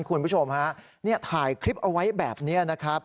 คุณผู้ชมถ่ายคลิปเอาไว้แบบนี้